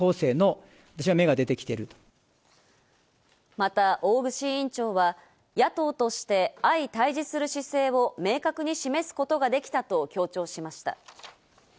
また大串委員長は野党として相対峙する姿勢を明確に示すことができたと強調しました。